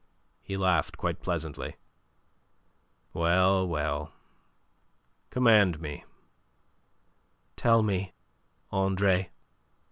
He laughed quite pleasantly. "Well, well; command me." "Tell me, Andre."